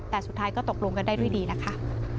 แต่สุดท้ายก็ตกลงกันได้ด้วยดีนะคะ